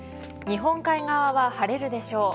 日本海側は晴れるでしょう。